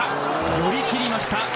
寄り切りました。